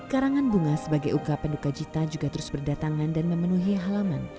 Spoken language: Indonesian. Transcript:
karangan bunga sebagai ungkap penduka jita juga terus berdatangan dan memenuhi halaman